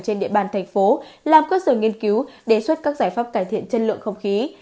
trên địa bàn thành phố làm cơ sở nghiên cứu đề xuất các giải pháp cải thiện chất lượng không khí